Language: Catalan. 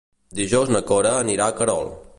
Dijous na Cora anirà a Querol.